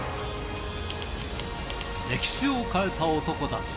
歴史変えた男たち。